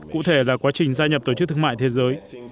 cụ thể là quá trình gia nhập tổ chức thương mại thế giới